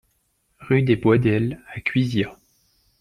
Rue des Boisdels à Cuisia